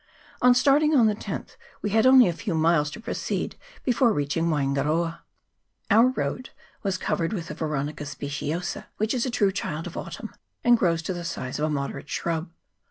On starting on the 10th we had only a few miles to proceed before reaching Waingaroa. Our road was covered with the Veronica speciosa, which is a true child of autumn, and grows to the size of a moderate shrub.